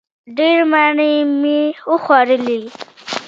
ډېرې مڼې مې وخوړلې!